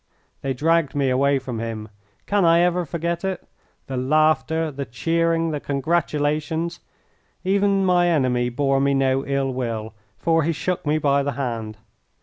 They dragged me away from him. Can I ever forget it? the laughter, the cheering, the congratulations! Even my enemy bore me no ill will, for he shook me by the hand.